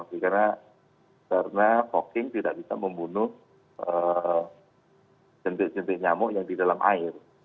karena fogging tidak bisa membunuh jentik jentik nyamuk yang di dalam air